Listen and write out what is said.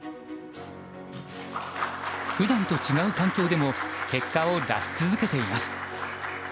ふだんと違う環境でも結果を出し続けています。